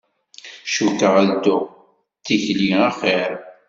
Cukkeɣ ad dduɣ d tikli axir.